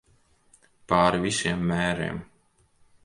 Pāri visiem mēriem.